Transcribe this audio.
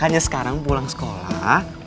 hanya sekarang pulang sekolah